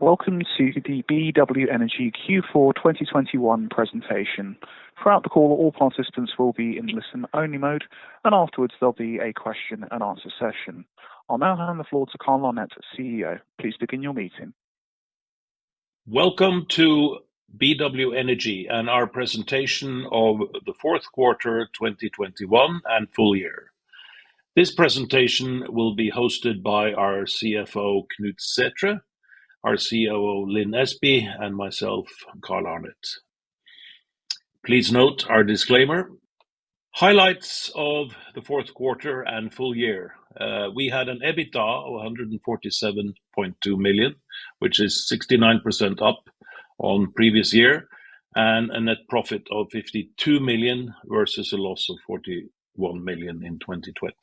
Welcome to the BW Energy Q4 2021 presentation. Throughout the call, all participants will be in listen-only mode, and afterwards, there'll be a question and answer session. I'll now hand the floor to Carl K. Arnet, CEO. Please begin your meeting. Welcome to BW Energy and our presentation of the Q4 2021 and full year. This presentation will be hosted by our CFO, Knut Sætre, our COO, Lin Espey, and myself, Carl Arnet. Please note our disclaimer. Highlights of the Q4 and full year. We had an EBITDA of $147.2 million, which is 69% up on previous year and a net profit of $52 million versus a loss of $41 million in 2020.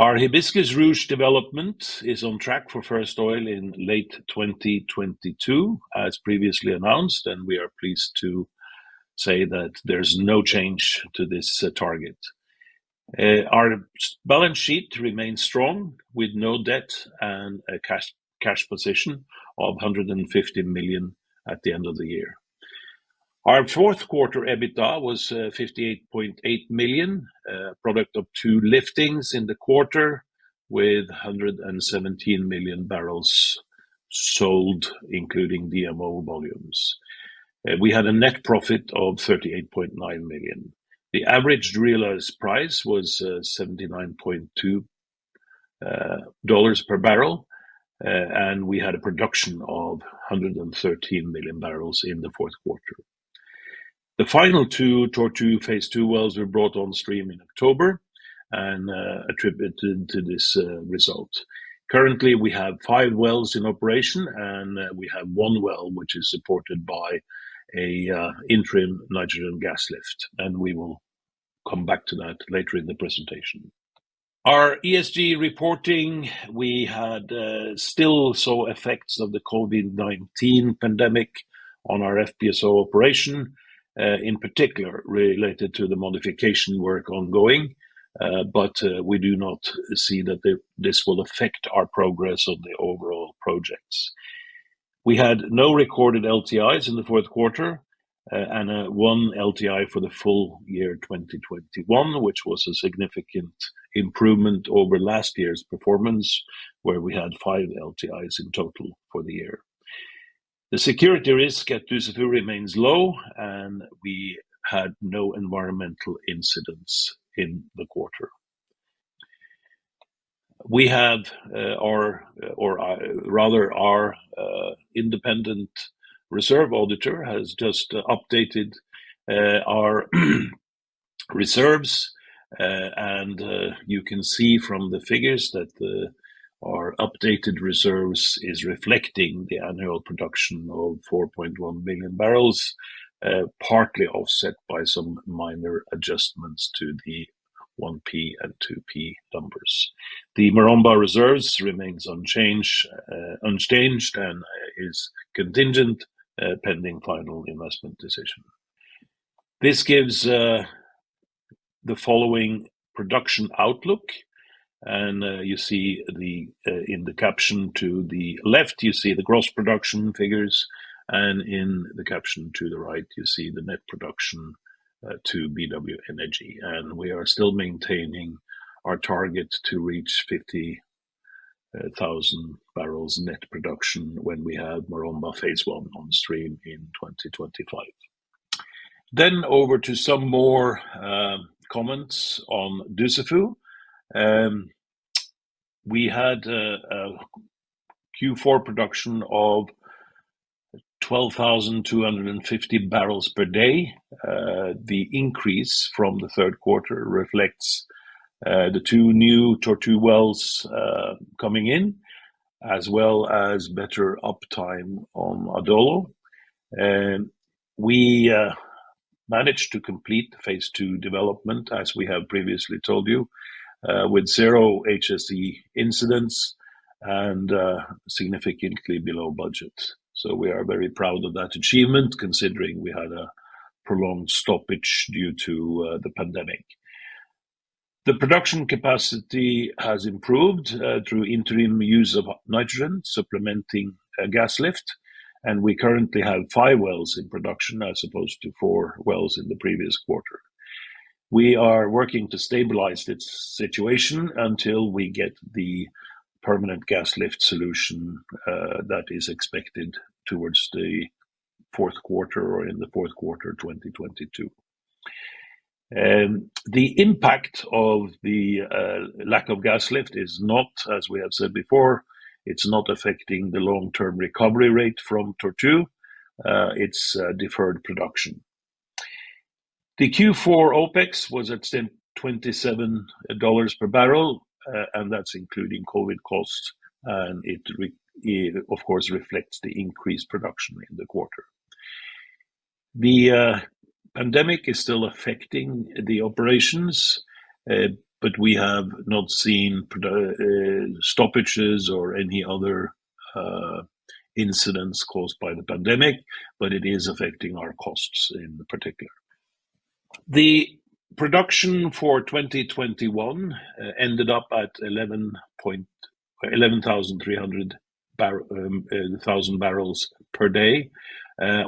Our Hibiscus/Ruche development is on track for first oil in late 2022 as previously announced, and we are pleased to say that there's no change to this target. Our balance sheet remains strong with no debt and a cash position of $150 million at the end of the year. Our Q4 EBITDA was $58.8 million, product of two liftings in the quarter with 117 million barrels sold, including DMO volumes. We had a net profit of $38.9 million. The average realized price was $79.2 per barrel, and we had a production of 113 million barrels in the Q4. The final two Tortue Phase 2 wells were brought on stream in October and attributed to this result. Currently, we have five wells in operation, and we have one well which is supported by an interim nitrogen gas lift, and we will come back to that later in the presentation. our ESG reporting, we still saw effects of the COVID-19 pandemic on our FPSO operation, in particular related to the modification work ongoing, but we do not see that this will affect our progress on the overall projects. We had no recorded LTIs in the Q4, and one LTI for the full year 2021, which was a significant improvement over last year's performance, where we had five LTIs in total for the year. The security risk at Dussafu remains low, and we had no environmental incidents in the quarter. Our independent reserve auditor has just updated our reserves, and you can see from the figures that the our updated reserves is reflecting the annual production of 4.1 billion barrels, partly offset by some minor adjustments to the 1P and 2P numbers. The Maromba reserves remains unchanged and is contingent, pending final investment decision. This gives the following production outlook, and in the caption to the left, you see the gross production figures, and in the caption to the right, you see the net production to BW Energy. We are still maintaining our target to reach 50,000 barrels net production when we have Maromba Phase 1 on stream in 2025. Over to some more comments on Dussafu. We had a Q4 production of 12,250 barrels per day. The increase from the Q3 reflects the two new Tortue wells coming in as well as better uptime on Adolo. We managed to complete the phase II development, as we have previously told you, with zero HSE incidents and significantly below budget. We are very proud of that achievement, considering we had a prolonged stoppage due to the pandemic. The production capacity has improved through interim use of nitrogen supplementing a gas lift, and we currently have five wells in production as opposed to four wells in the previous quarter. We are working to stabilize this situation until we get the permanent gas lift solution that is expected towards the Q2 or in the Q4 2022. The impact of the lack of gas lift is not, as we have said before, it's not affecting the long-term recovery rate from Tortue. It's deferred production. The Q4 OpEx was at $727 per barrel, and that's including COVID costs, and it, of course, reflects the increased production in the quarter. The pandemic is still affecting the operations, but we have not seen stoppages or any other incidents caused by the pandemic, but it is affecting our costs in particular. The production for 2021 ended up at 11,300 barrels per day,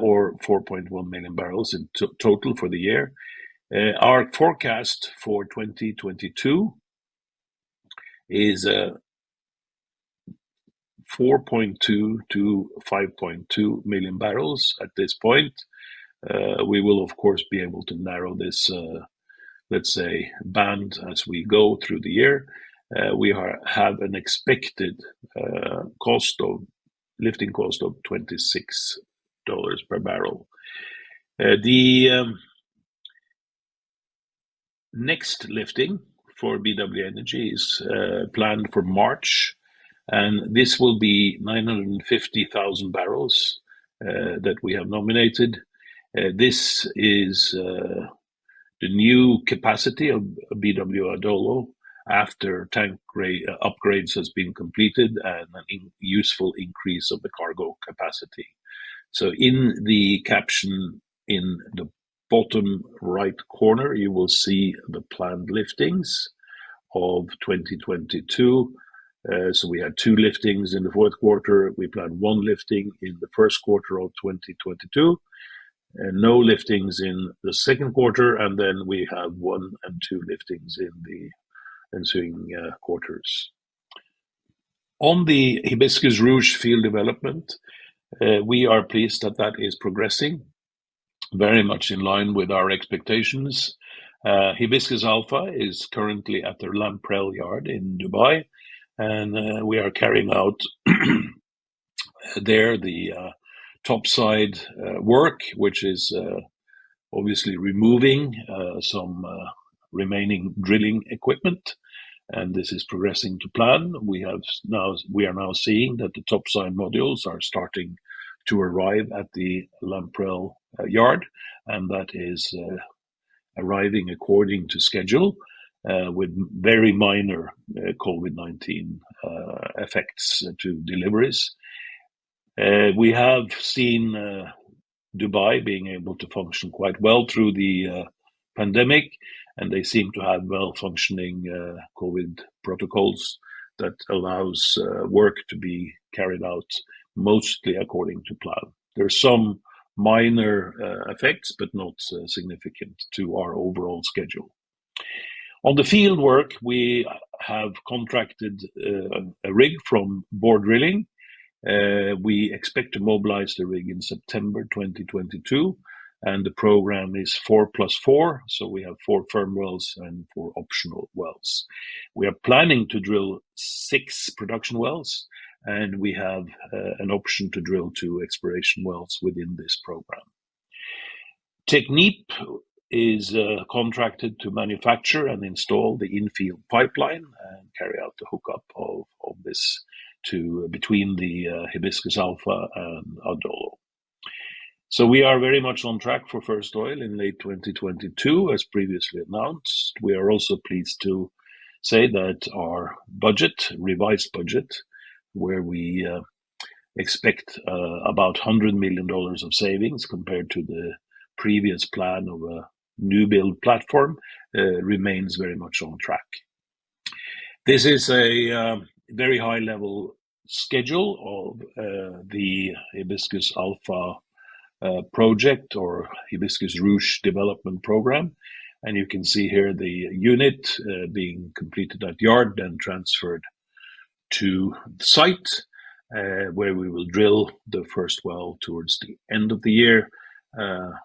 or 4.1 million barrels in total for the year. Our forecast for 2022 is 4.2-5.2 million barrels at this point. We will of course be able to narrow this, let's say band as we go through the year. We have an expected lifting cost of $26 per barrel. The next lifting for BW Energy is planned for March, and this will be 950,000 barrels that we have nominated. This is the new capacity of BW Adolo after tank upgrades has been completed and an increase in useful cargo capacity. In the caption in the bottom right corner, you will see the planned liftings of 2022. We had two liftings in the Q4. We plan one lifting in the Q1 of 2022, and no liftings in the Q2, and then we have one and two liftings in the ensuing quarters. On the Hibiscus/Ruche field development, we are pleased that is progressing very much in line with our expectations. Hibiscus Alpha is currently at the Lamprell yard in Dubai, and we are carrying out there the topside work, which is obviously removing some remaining drilling equipment, and this is progressing to plan. We are now seeing that the topside modules are starting to arrive at the Lamprell yard, and that is arriving according to schedule with very minor COVID-19 effects to deliveries. We have seen Dubai being able to function quite well through the pandemic, and they seem to have well-functioning COVID protocols that allows work to be carried out mostly according to plan. There are some minor effects, but not significant to our overall schedule. On the field work, we have contracted a rig from Borr Drilling. We expect to mobilize the rig in September 2022, and the program is 4+4, so we have four firm wells and four optional wells. We are planning to drill six production wells, and we have an option to drill two exploration wells within this program. Technip is contracted to manufacture and install the infield pipeline and carry out the hookup of this to between the Hibiscus Alpha and Adolo. We are very much on track for first oil in late 2022, as previously announced. We are also pleased to say that our budget, revised budget, where we expect about $100 million of savings compared to the previous plan of a new build platform, remains very much on track. This is a very high-level schedule of the Hibiscus Alpha project or Hibiscus/Ruche development program, and you can see here the unit being completed at yard, then transferred to the site, where we will drill the first well towards the end of the year,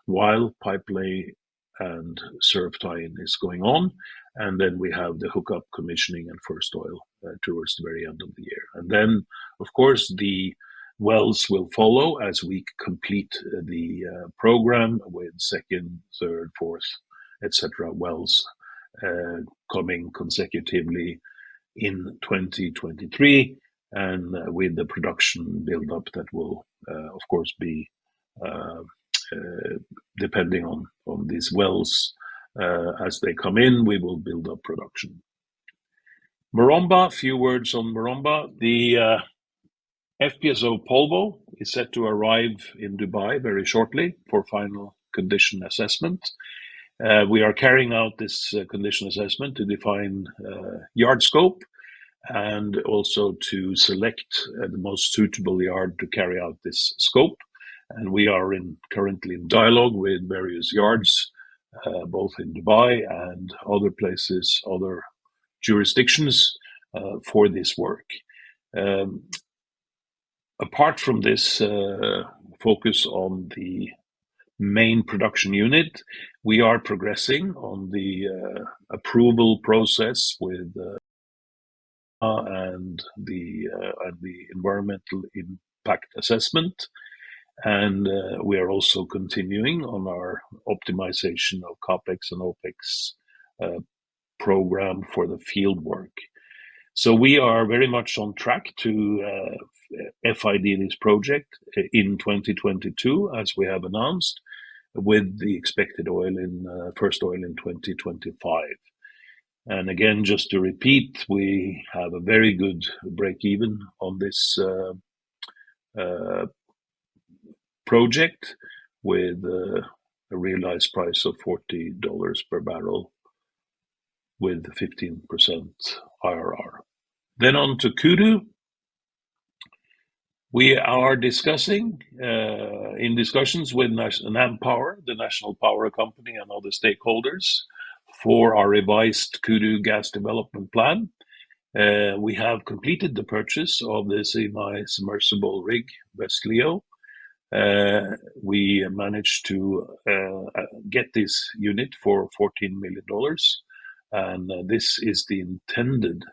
while pipelay and subsea tie-in is going on, and then we have the hookup commissioning and first oil towards the very end of the year. Of course, the wells will follow as we complete the program with second, third, fourth, etc., wells coming consecutively in 2023 and with the production build-up that will of course be depending on these wells as they come in, we will build up production. Maromba, a few words on Maromba. The FPSO Polvo is set to arrive in Dubai very shortly for final condition assessment. We are carrying out this condition assessment to define yard scope and also to select the most suitable yard to carry out this scope, and we are currently in dialogue with various yards both in Dubai and other places, other jurisdictions for this work. Apart from this focus on the main production unit, we are progressing on the approval process with the environmental impact assessment, and we are also continuing on our optimization of CapEx and OpEx program for the field work. We are very much on track to FID this project in 2022, as we have announced, with the expected first oil in 2025. Again, just to repeat, we have a very good break even on this project with a realized price of $40 per barrel with 15% IRR. On to Kudu. We are in discussions with NamPower, the National Power Company, and other stakeholders for our revised Kudu Gas Development Plan. We have completed the purchase of the semi-submersible rig, West Leo. We managed to get this unit for $14 million, and this is the intended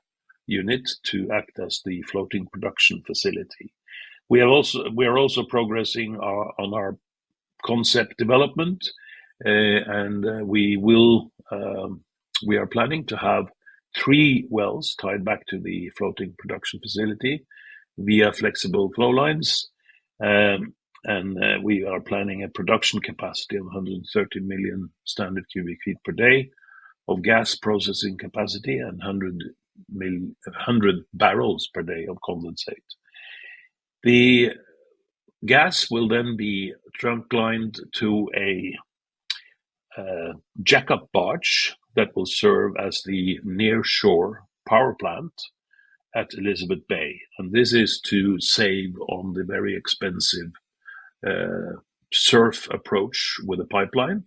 unit to act as the floating production facility. We are also progressing our concept development. We are planning to have three wells tied back to the floating production facility via flexible flow lines. We are planning a production capacity of 130 million standard cubic feet per day of gas processing capacity and 100 barrels per day of condensate. The gas will then be trunk lined to a jackup barge that will serve as the near shore power plant at Elizabeth Bay. This is to save on the very expensive surf approach with a pipeline.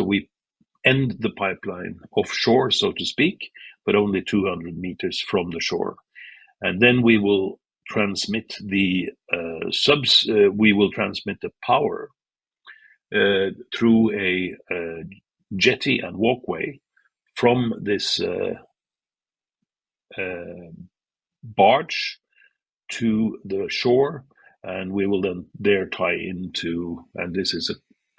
We end the pipeline offshore, so to speak, but only 200 meters from the shore. We will transmit the power through a jetty and walkway from this barge to the shore, and we will then there tie into this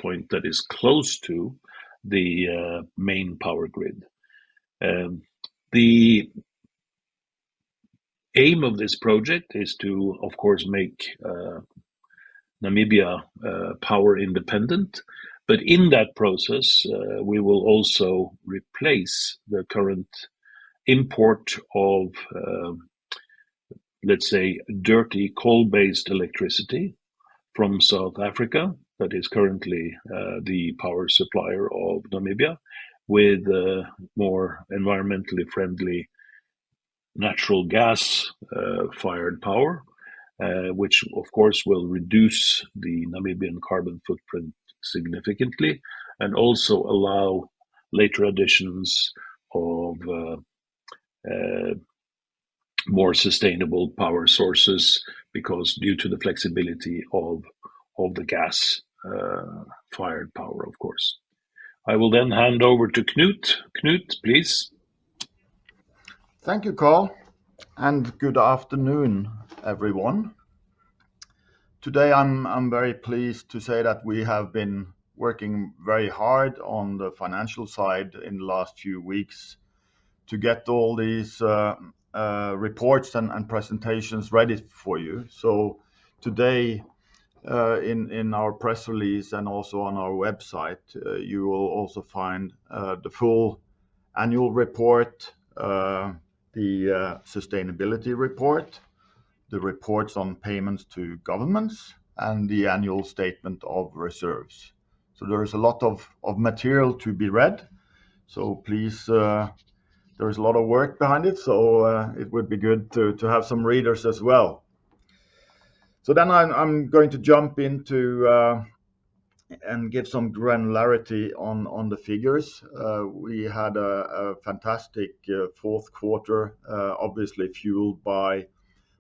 point that is close to the main power grid. The aim of this project is to, of course, make Namibia power independent. In that process, we will also replace the current import of, let's say, dirty coal-based electricity from South Africa, that is currently the power supplier of Namibia, with more environmentally friendly natural gas fired power. Which of course will reduce the Namibian carbon footprint significantly and also allow later additions of more sustainable power sources because due to the flexibility of the gas fired power, of course. I will then hand over to Knut. Knut, please. Thank you, Carl, and good afternoon, everyone. Today, I'm very pleased to say that we have been working very hard on the financial side in the last few weeks to get all these reports and presentations ready for you. Today, in our press release and also on our website, you will also find the full annual report, the sustainability report, the reports on payments to governments, and the annual statement of reserves. There is a lot of material to be read. Please, there is a lot of work behind it, so it would be good to have some readers as well. I'm going to jump into and give some granularity on the figures. We had a fantastic Q4, obviously fueled by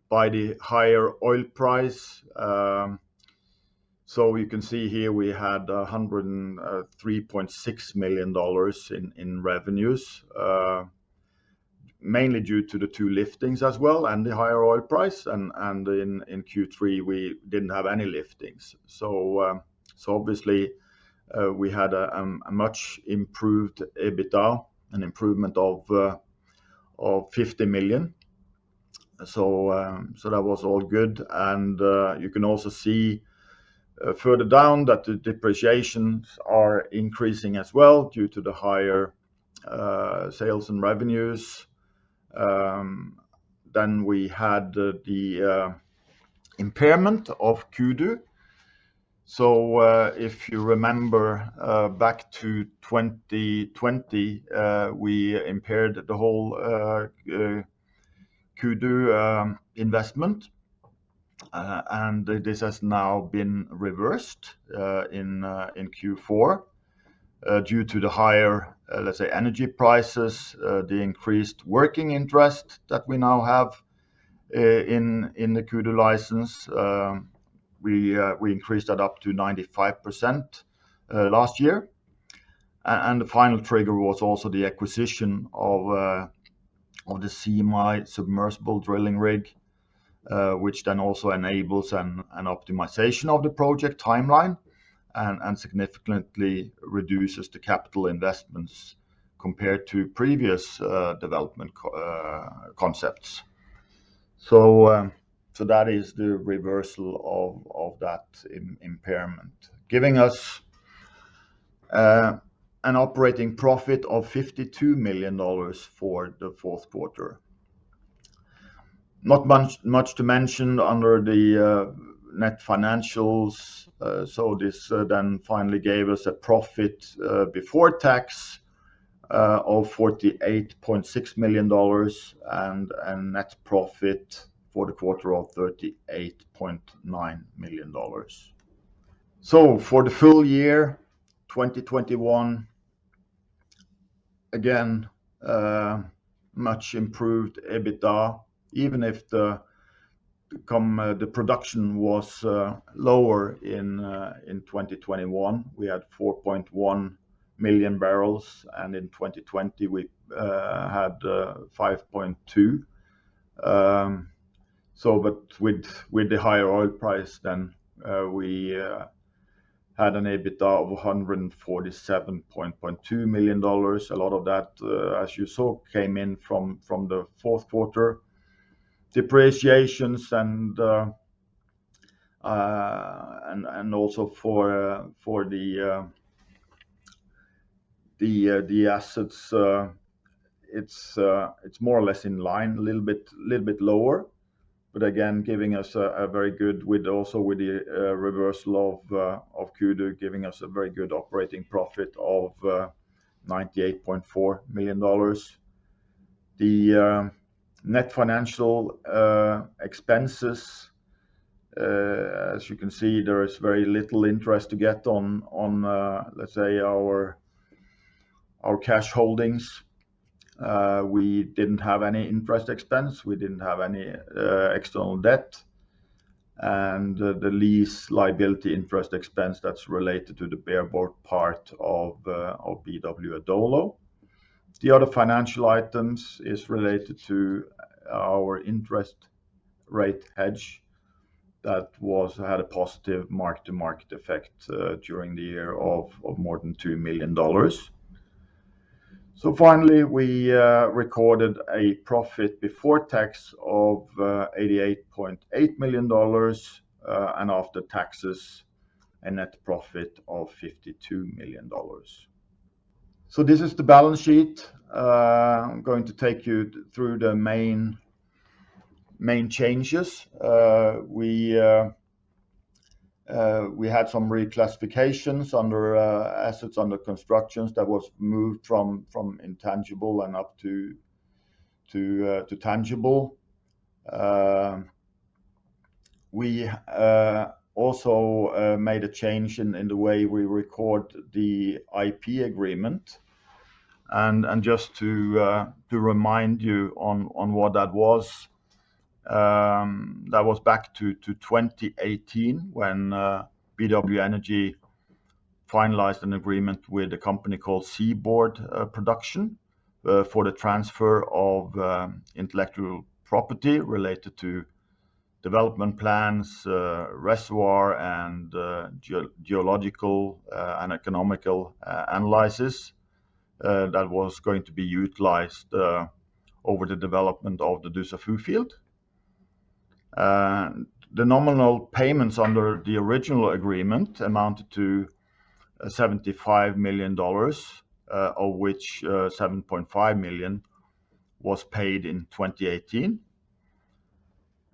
the higher oil price. You can see here we had $103.6 million in revenues, mainly due to the two liftings as well and the higher oil price. In Q3, we didn't have any liftings. Obviously, we had a much improved EBITDA, an improvement of $50 million. That was all good. You can also see further down that the depreciations are increasing as well due to the higher sales and revenues. We had the impairment of Kudu. If you remember back to 2020, we impaired the whole Kudu investment. This has now been reversed in Q4 due to the higher, let's say, energy prices, the increased working interest that we now have in the Kudu license. We increased that up to 95% last year. The final trigger was also the acquisition of the semi-submersible drilling rig, which then also enables an optimization of the project timeline and significantly reduces the capital investments compared to previous development concepts. That is the reversal of that impairment, giving us an operating profit of $52 million for the Q4. Not much to mention under the net financials. This then finally gave us a profit before tax of $48.6 million and net profit for the quarter of $38.9 million. For the full year, 2021, again, much improved EBITDA even if the production was lower in 2021. We had 4.1 million barrels, and in 2020 we had 5.2. With the higher oil price then, we had an EBITDA of $147.2 million. A lot of that, as you saw, came in from the Q4. Depreciations and also for the assets, it's more or less in line, a little bit lower again giving us a very good operating profit of $98.4 million. The net financial expenses, as you can see, there is very little interest we get on our cash holdings. We didn't have any interest expense. We didn't have any external debt. The lease liability interest expense that's related to the bareboat charter of BW Adolo. The other financial items is related to our interest rate hedge that had a positive mark-to-market effect during the year of more than $2 million. Finally, we recorded a profit before tax of $88.8 million, and after taxes, a net profit of $52 million. This is the balance sheet. I'm going to take you through the main changes. We had some reclassifications under assets under construction that was moved from intangible and up to tangible. We also made a change in the way we record the IP agreement. Just to remind you on what that was, that was back to 2018 when BW Energy finalized an agreement with a company called Seaboard Production for the transfer of intellectual property related to development plans, reservoir and geological and economic analysis that was going to be utilized over the development of the Dussafu field. The nominal payments under the original agreement amounted to $75 million, of which, 7.5 million was paid in 2018.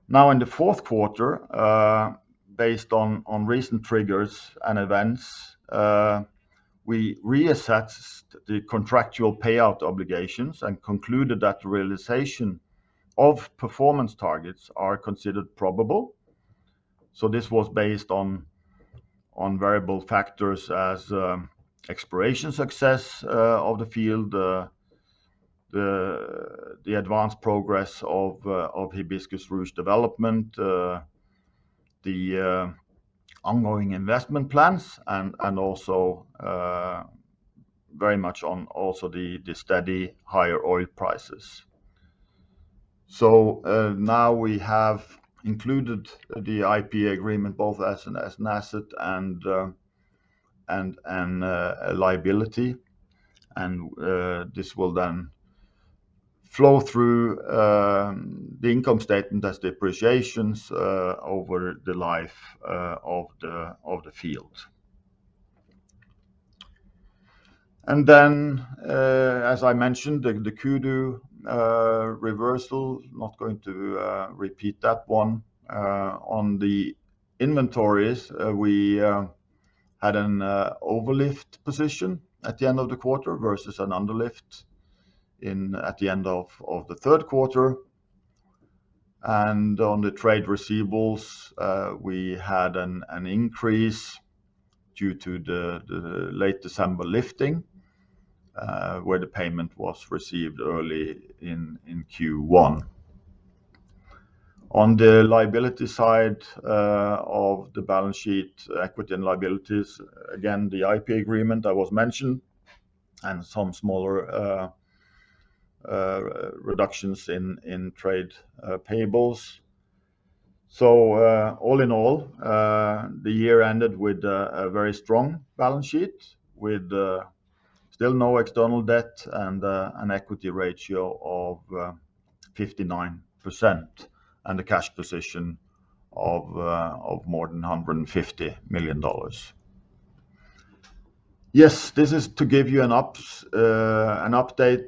Now, in the Q4, based on recent triggers and events, we reassessed the contractual payout obligations and concluded that realization of performance targets are considered probable. This was based on variable factors as exploration success of the field, the advanced progress of Hibiscus/Ruche development, the ongoing investment plans and also very much on also the steady higher oil prices. Now we have included the IP agreement both as an asset and a liability. This will then flow through the income statement as depreciations over the life of the field. As I mentioned, the Kudu reversal, not going to repeat that one. On the inventories, we had an overlift position at the end of the quarter versus an underlift at the end of the Q3. On the trade receivables, we had an increase due to the late December lifting, where the payment was received early in Q1. On the liability side of the balance sheet, equity and liabilities, again, the IP agreement that was mentioned and some smaller reductions in trade payables. All in all, the year ended with a very strong balance sheet with still no external debt and an equity ratio of 59% and a cash position of more than $150 million. Yes, this is to give you an update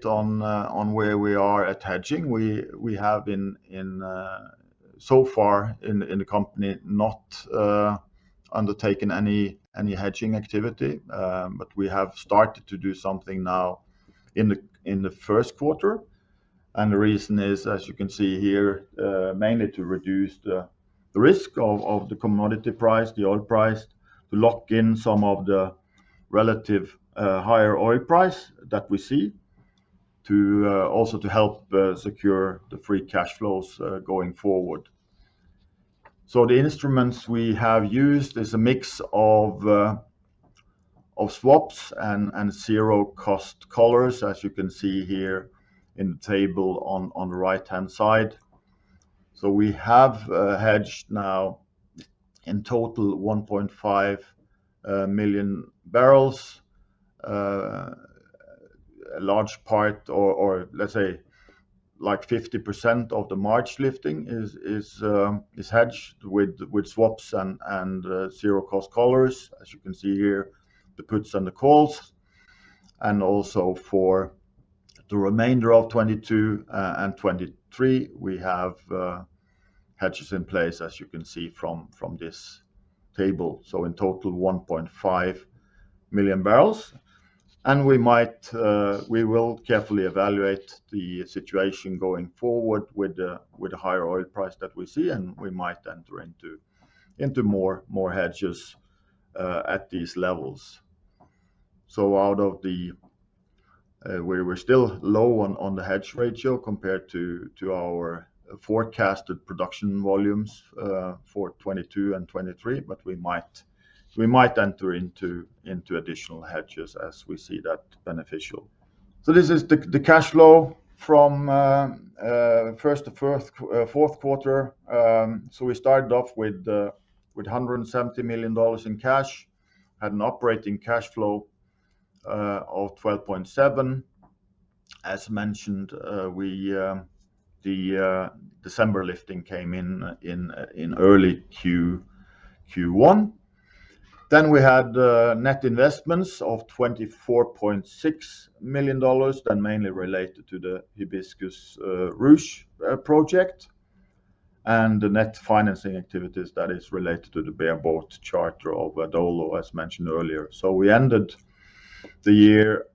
on where we are at hedging. We have, so far in the company, not undertaken any hedging activity. But we have started to do something now in the Q1. The reason is, as you can see here, mainly to reduce the risk of the commodity price, the oil price, to lock in some of the relative higher oil price that we see to also help secure the free cash flows going forward. The instruments we have used is a mix of swaps and zero cost collars, as you can see here in the table on the right-hand side. We have hedged now in total 1.5 million barrels. A large part or let's say like 50% of the March lifting is hedged with swaps and zero cost collars, as you can see here, the puts and the calls. Also for the remainder of 2022 and 2023, we have hedges in place, as you can see from this table. In total 1.5 million barrels. We will carefully evaluate the situation going forward with the higher oil price that we see, and we might enter into more hedges at these levels. We're still low on the hedge ratio compared to our forecasted production volumes for 2022 and 2023, but we might enter into additional hedges as we see that beneficial. This is the cash flow from Q1 to Q4. We started off with $170 million in cash, had an operating cash flow of $12.7 million. As mentioned, the December lifting came in in early Q1. We had net investments of $24.6 million that mainly related to the Hibiscus/Ruche Project, and the net financing activities that is related to the bareboat charter of Adolo, as mentioned earlier. We ended the year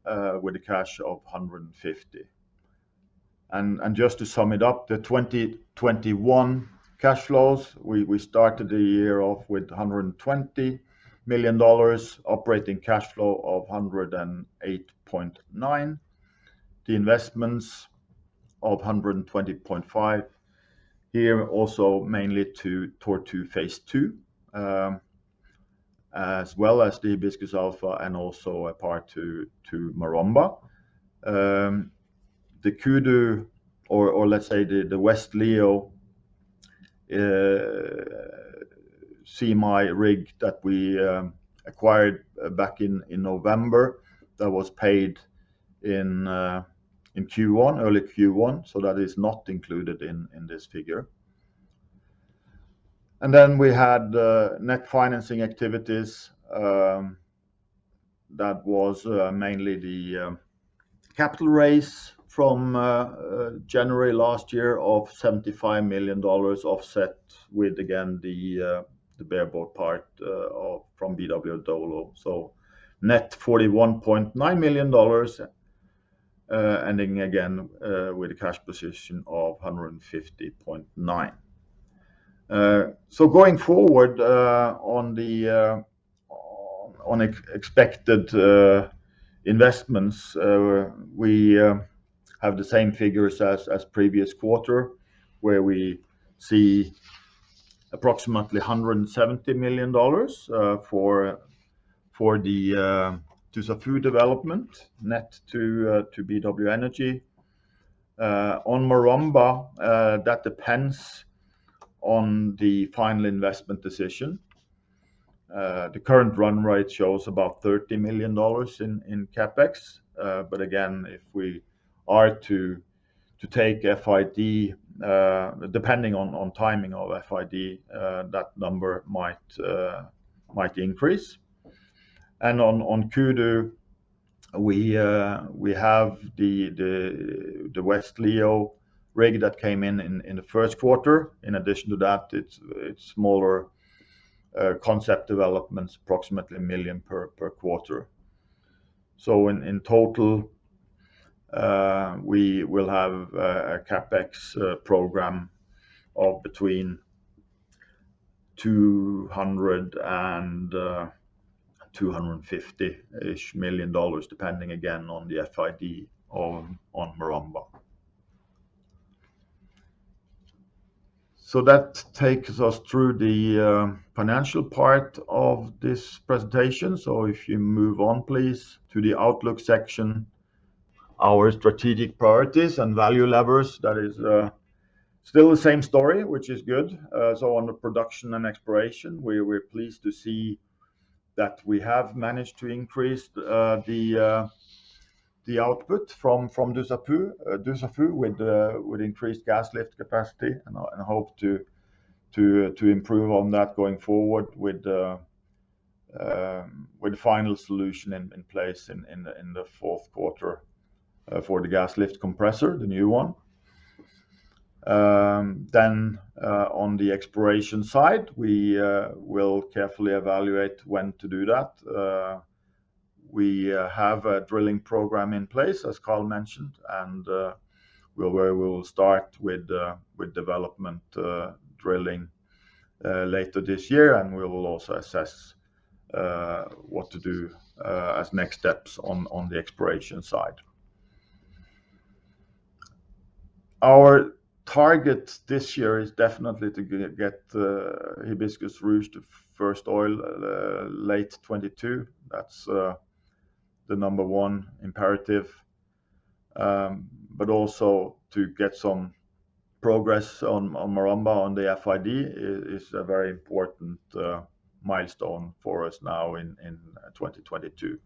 with a cash of $150 million. Just to sum it up, the 2021 cash flows, we started the year off with $120 million, operating cash flow of $108.9 million. The investments of $120.5 million. Here, also mainly to Tortue Phase 2, as well as the Hibiscus Alpha and also a part to Maromba. The West Leo semi rig that we acquired back in November that was paid in Q1. That is not included in this figure. Then we had net financing activities that was mainly the capital raise from January last year of $75 million offset with again the bareboat part from BW Adolo. Net $41.9 million, ending again with a cash position of $150.9 million. Going forward, on expected investments, we have the same figures as previous quarter, where we see approximately $170 million for the Dussafu development net to BW Energy. On Maromba, that depends on the final investment decision. The current run rate shows about $30 million in CapEx. But again, if we are to take FID, depending on timing of FID, that number might increase. On Kudu we have the West Leo rig that came in the Q1. In addition to that, it's smaller concept developments, approximately $1 million per quarter. In total, we will have a CapEx program of between $200 million and $250 million-ish, depending again on the FID on Maromba. That takes us through the financial part of this presentation. If you move on, please, to the outlook section. Our strategic priorities and value levers, that is, still the same story, which is good. On the production and exploration, we're pleased to see that we have managed to increase the output from Dussafu with increased gas lift capacity and hope to improve on that going forward with final solution in place in the Q4 for the gas lift compressor, the new one. On the exploration side, we will carefully evaluate when to do that. We have a drilling program in place, as Carl mentioned, and we will start with development drilling later this year, and we will also assess what to do as next steps on the exploration side. Our target this year is definitely to get Hibiscus/Ruche to first oil late 2022. That's the number one imperative. Also to get some progress on Maromba on the FID is a very important milestone for us now in 2022.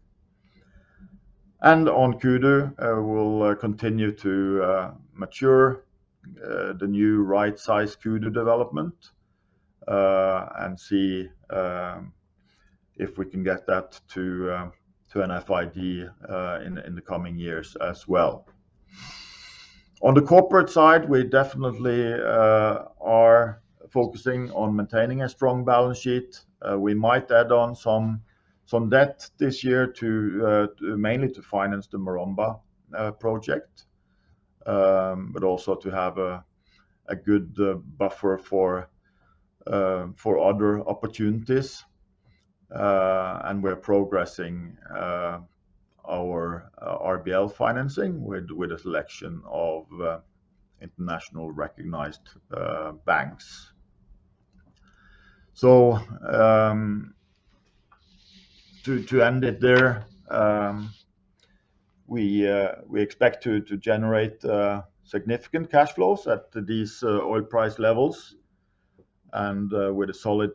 On Kudu, we will continue to mature the new right-sized Kudu development and see if we can get that to an FID in the coming years as well. On the corporate side, we definitely are focusing on maintaining a strong balance sheet. We might add on some debt this year to mainly finance the Maromba project, but also to have a good buffer for other opportunities. We are progressing our RBL financing with a selection of internationally recognized banks. To end it there, we expect to generate significant cash flows at these oil price levels and with a solid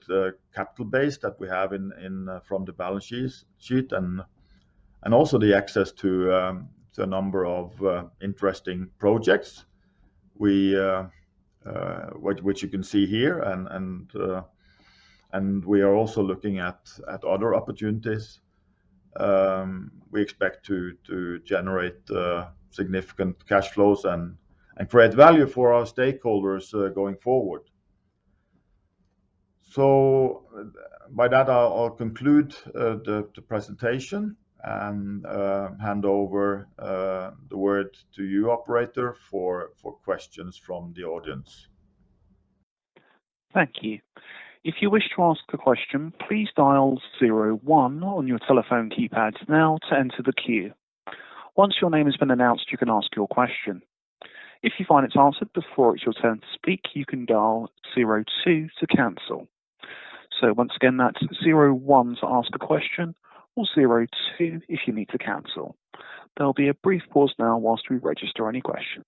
capital base that we have from the balance sheet and also the access to a number of interesting projects, which you can see here, and we are also looking at other opportunities. We expect to generate significant cash flows and create value for our stakeholders going forward. By that, I'll conclude the presentation and hand over the word to you operator for questions from the audience. Thank you. If you wish to ask a question, please dial zero one on your telephone keypads now to enter the queue. Once your name has been announced, you can ask your question. If you find it's answered before it's your turn to speak, you can dial zero two to cancel. Once again, that's zero one to ask a question or zero two if you need to cancel. There'll be a brief pause now while we register any question.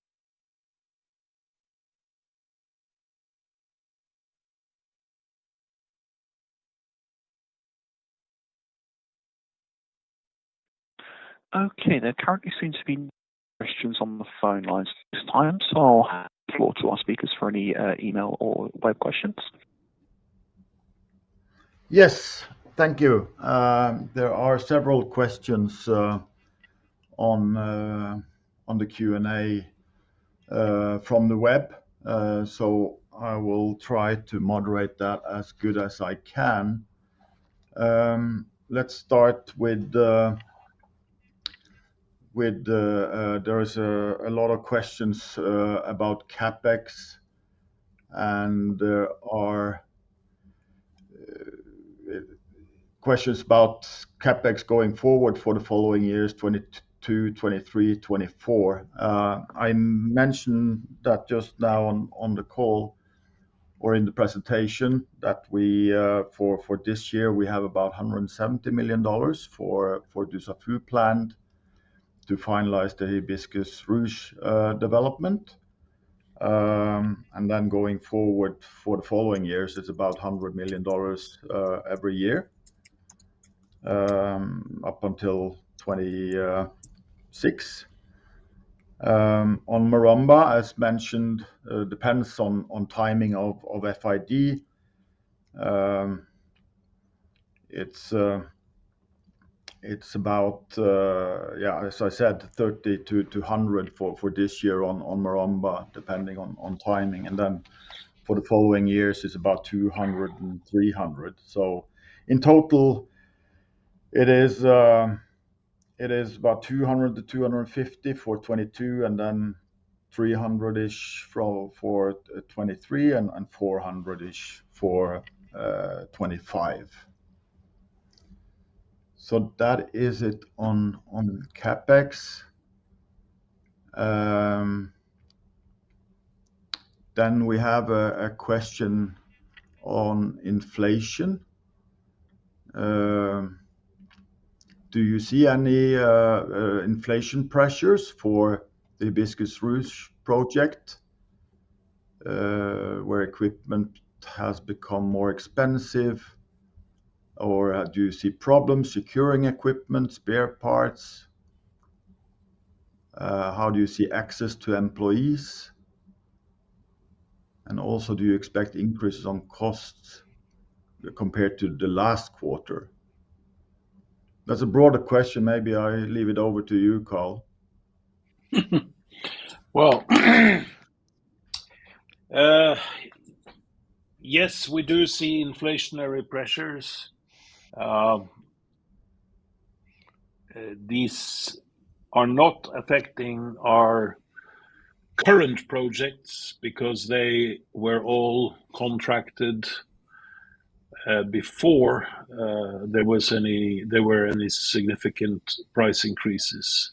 Okay. There currently seems to be no questions on the phone lines at this time, so I'll hand the floor to our speakers for any email or web questions. Yes. Thank you. There are several questions on the Q&A from the web. I will try to moderate that as good as I can. Let's start with there is a lot of questions about CapEx and there are questions about CapEx going forward for the following years, 2022, 2023, 2024. I mentioned that just now on the call or in the presentation that we for this year have about $170 million for Dussafu planned to finalize the Hibiscus/Ruche development. And then going forward for the following years is about $100 million every year up until 2026. On Maromba, as mentioned, depends on timing of FID. It's about, yeah, as I said, $30 million-$100 million for this year on Maromba depending on timing. Then for the following years it's about $200 million-$300 million. In total it is about $200 million-$250 million for 2022 and then 300-ish for 2023 and 400-ish for 2025. That is it on CapEx. We have a question on inflation. Do you see any inflation pressures for the Hibiscus/Ruche project where equipment has become more expensive? Or do you see problems securing equipment, spare parts? How do you see access to employees? Also, do you expect increases on costs compared to the last quarter? That's a broader question. Maybe I leave it over to you, Carl. Well, yes, we do see inflationary pressures. These are not affecting our current projects because they were all contracted before there were any significant price increases.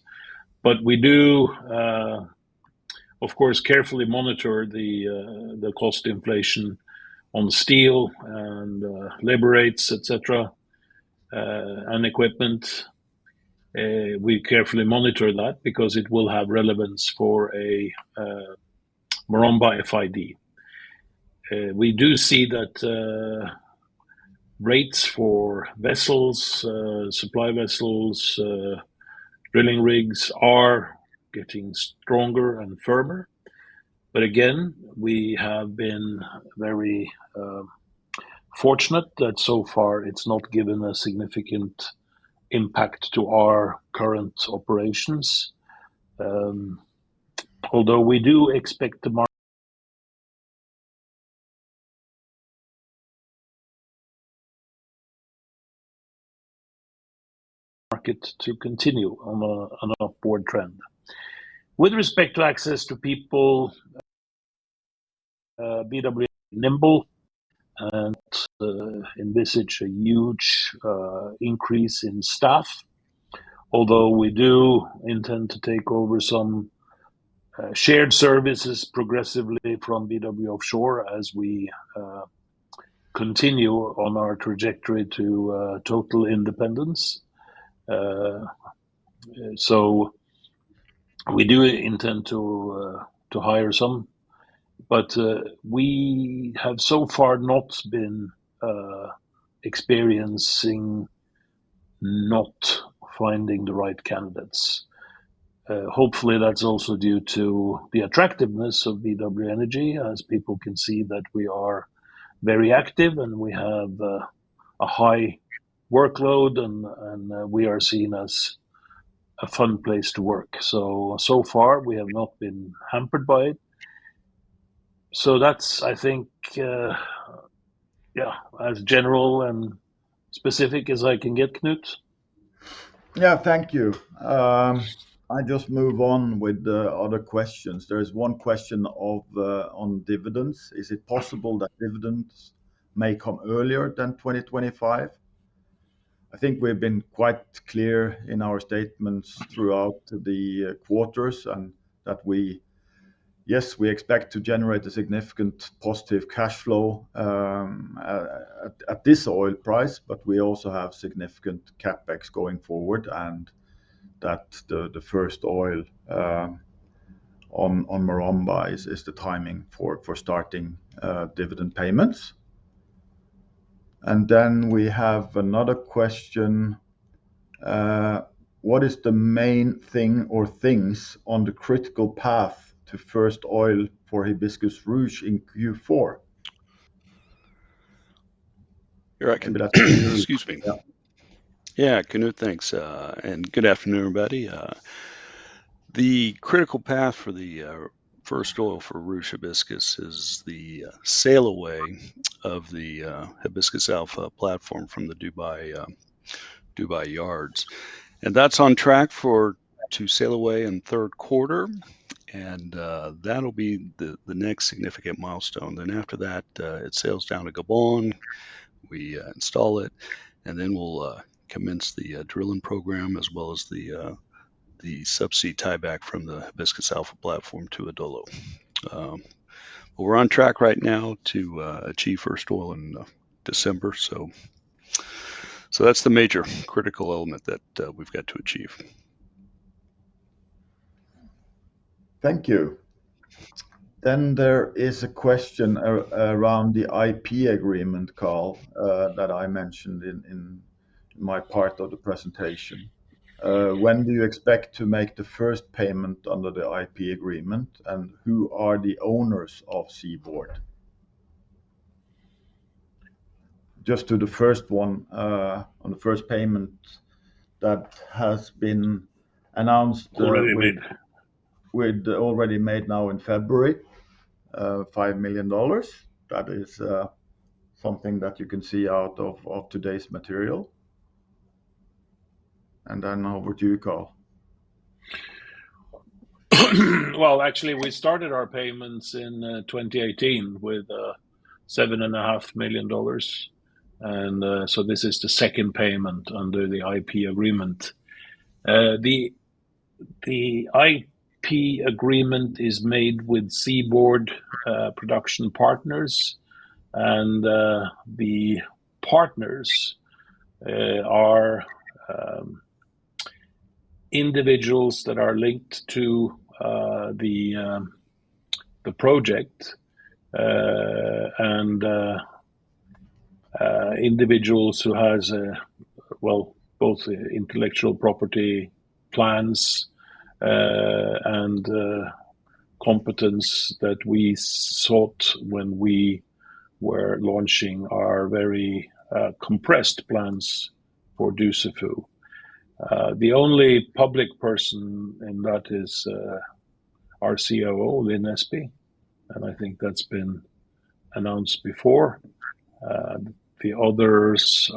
We do, of course, carefully monitor the cost inflation on steel and labor rates, et cetera, and equipment. We carefully monitor that because it will have relevance for a Maromba FID. We do see that rates for vessels, supply vessels, drilling rigs are getting stronger and firmer. Again, we have been very fortunate that so far it's not given a significant impact to our current operations. Although we do expect the market to continue on an upward trend. With respect to access to people, BW is nimble and envisage a huge increase in staff. Although we do intend to take over some shared services progressively from BW Offshore as we continue on our trajectory to total independence. We do intend to hire some, but we have so far not been experiencing not finding the right candidates. Hopefully, that's also due to the attractiveness of BW Energy as people can see that we are very active and we have a high workload and we are seen as a fun place to work. So far we have not been hampered by it. That's, I think, yeah, as general and specific as I can get, Knut. Yeah. Thank you. I just move on with the other questions. There is one question on dividends. Is it possible that dividends may come earlier than 2025? I think we have been quite clear in our statements throughout the quarters. Yes, we expect to generate a significant positive cash flow at this oil price, but we also have significant CapEx going forward, and that the first oil on Maromba is the timing for starting dividend payments. Then we have another question. What is the main thing or things on the critical path to first oil for Hibiscus/Ruche in Q4? Excuse me. Yeah. Yeah. Knut, thanks. Good afternoon, everybody. The critical path for the first oil for Ruche Hibiscus is the sail away of the Hibiscus Alpha platform from the Dubai yards. That's on track to sail away in Q3, and that'll be the next significant milestone. After that, it sails down to Gabon, we install it, and then we'll commence the drilling program, as well as the subsea tieback from the Hibiscus Alpha platform to Adolo. But we're on track right now to achieve first oil in December. That's the major critical element that we've got to achieve. Thank you. There is a question around the IP agreement, Carl, that I mentioned in my part of the presentation. When do you expect to make the first payment under the IP agreement, and who are the owners of Seaboard? Just to the first one, on the first payment that has been announced. Already made. With already made now in February $5 million. That is something that you can see out of today's material. Then over to you, Carl. Well, actually, we started our payments in 2018 with $7.5 million. This is the second payment under the IP agreement. The IP agreement is made with Seaboard Production Partners, and the partners are individuals that are linked to the project and individuals who has well both intellectual property plans and competence that we sought when we were launching our very compressed plans for Dussafu. The only public person in that is our COO, Lin Espey, and I think that's been announced before. The others.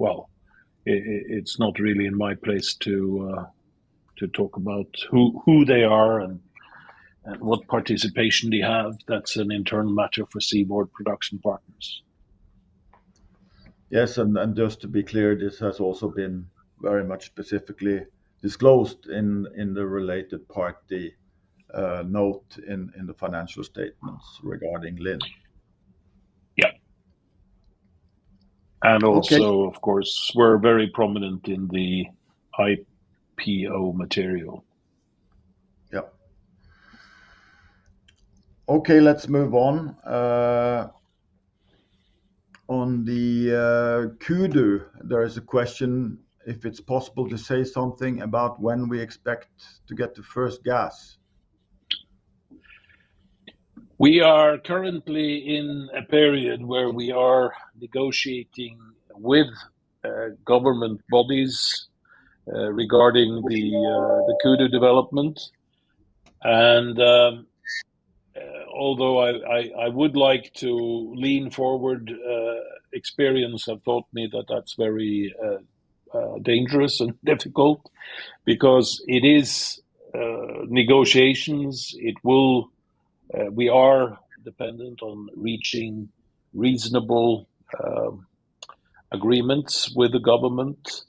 Well, it's not really in my place to talk about who they are and what participation they have. That's an internal matter for Seaboard Production Partners. Yes, just to be clear, this has also been very much specifically disclosed in the related party note in the financial statements regarding Lin. Yeah. Okay. Also, of course, we're very prominent in the IPO material. Yep. Okay, let's move on. On the Kudu, there is a question if it's possible to say something about when we expect to get the first gas. We are currently in a period where we are negotiating with government bodies regarding the Kudu development. Although I would like to lean forward, experience have taught me that that's very dangerous and difficult because it is negotiations. We are dependent on reaching reasonable agreements with the government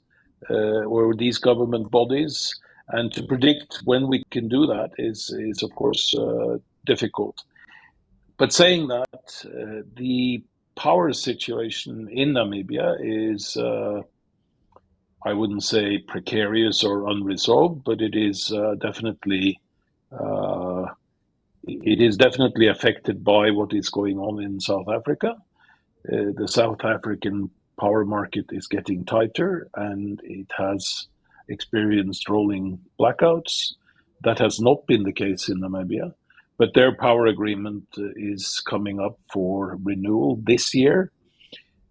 or these government bodies. To predict when we can do that is of course difficult. Saying that, the power situation in Namibia is. I wouldn't say precarious or unresolved, but it is definitely affected by what is going on in South Africa. The South African power market is getting tighter, and it has experienced rolling blackouts. That has not been the case in Namibia. Their power agreement is coming up for renewal this year,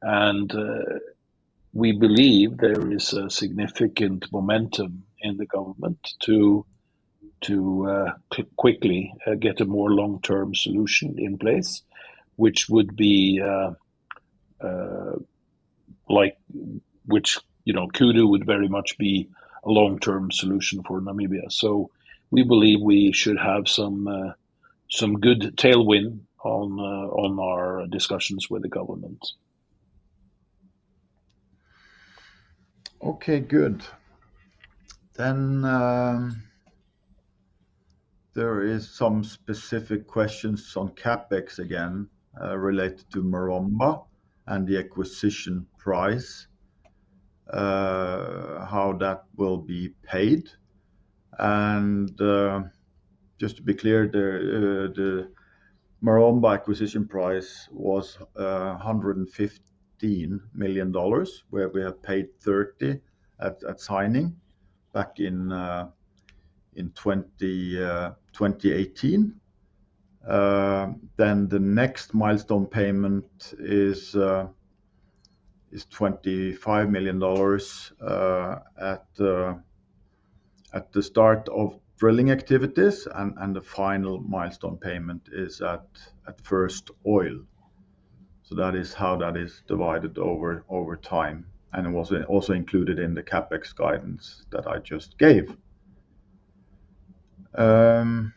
and we believe there is a significant momentum in the government to quickly get a more long-term solution in place, which would be like, which you know Kudu would very much be a long-term solution for Namibia. We believe we should have some good tailwind on our discussions with the government. Okay, good. There is some specific questions on CapEx again, related to Maromba and the acquisition price, how that will be paid. Just to be clear, the Maromba acquisition price was $115 million, where we have paid $30 million at signing back in 2018. Then the next milestone payment is $25 million at the start of drilling activities, and the final milestone payment is at first oil. That is how that is divided over time, and it was also included in the CapEx guidance that I just gave. There are a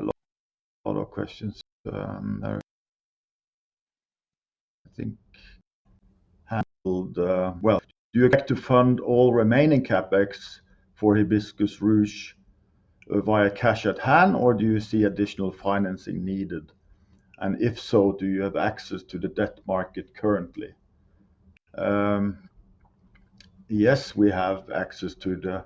lot of questions I think are handled. Well, do you expect to fund all remaining CapEx for Hibiscus/Ruche via cash at hand or do you see additional financing needed? If so, do you have access to the debt market currently? Yes, we have access to the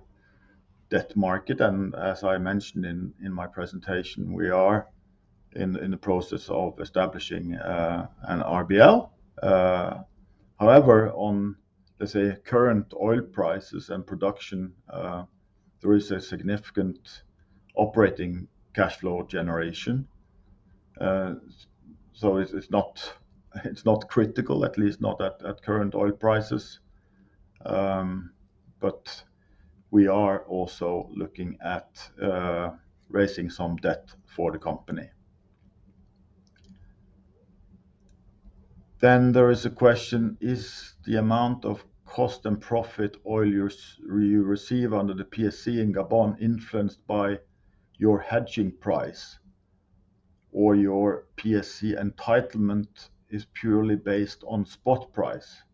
debt market, and as I mentioned in my presentation, we are in the process of establishing an RBL. However, on let's say current oil prices and production, there is a significant operating cash flow generation. So it's not critical, at least not at current oil prices. But we are also looking at raising some debt for the company. There is a question, is the amount of cost and profit oil you receive under the PSC in Gabon influenced by your hedging price? Or your PSC entitlement is purely based on spot price.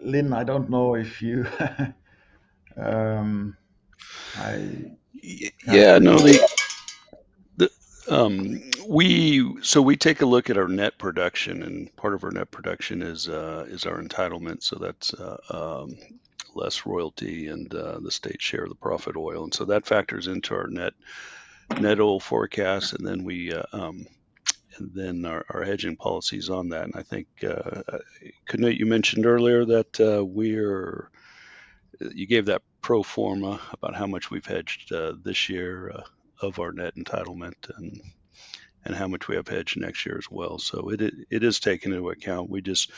Lin, I don't know if you. We take a look at our net production, and part of our net production is our entitlement, so that's less royalty and the state share of the profit oil. That factors into our net oil forecast. Our hedging policy is on that. I think, Knut, you mentioned earlier that you gave that pro forma about how much we've hedged this year of our net entitlement and how much we have hedged next year as well. It is taken into account. We just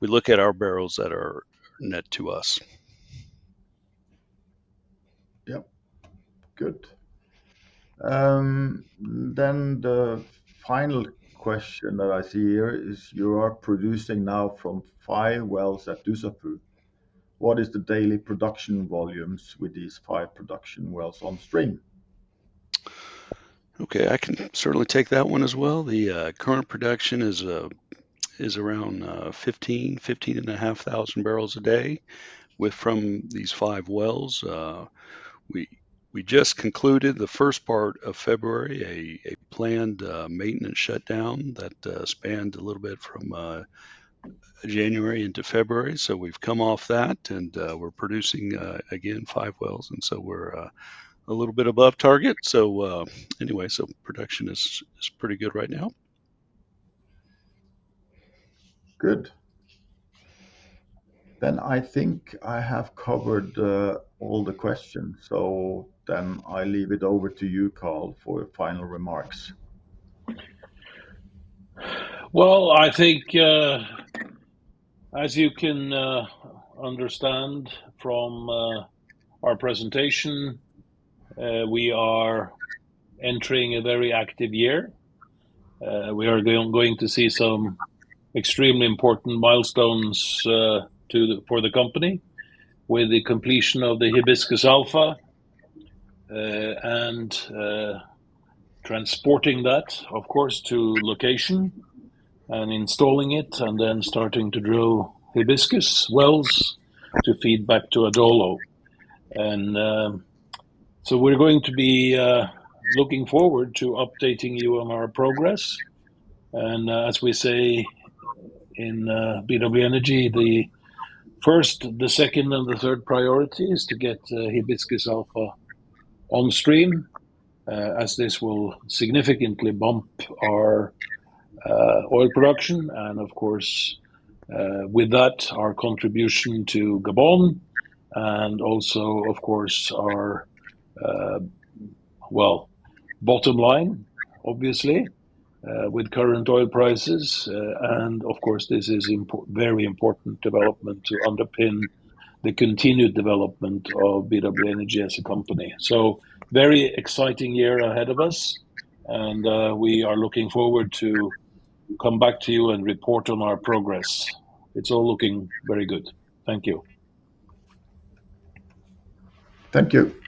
look at our barrels that are net to us. Yep. Good. The final question that I see here is you are producing now from five wells at Dussafu. What is the daily production volumes with these five production wells on stream? Okay, I can certainly take that one as well. The current production is around 15-15.5 thousand barrels a day from these five wells. We just concluded in the first part of February a planned maintenance shutdown that spanned a little bit from January into February. We've come off that, and we're producing again five wells, and so we're a little bit above target. Anyway, production is pretty good right now. Good. I think I have covered all the questions, so then I leave it over to you, Carl, for final remarks. Well, I think, as you can understand from our presentation, we are entering a very active year. We are going to see some extremely important milestones for the company with the completion of the Hibiscus Alpha and transporting that, of course, to location and installing it and then starting to drill Hibiscus wells to feed back to Adolo. We're going to be looking forward to updating you on our progress. As we say in BW Energy, the first, the second, and the third priority is to get Hibiscus Alpha on stream, as this will significantly bump our oil production and of course, with that, our contribution to Gabon and also, of course, our bottom line, obviously, with current oil prices. Of course, this is very important development to underpin the continued development of BW Energy as a company. Very exciting year ahead of us, and we are looking forward to come back to you and report on our progress. It's all looking very good. Thank you. Thank you.